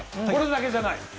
これだけじゃない。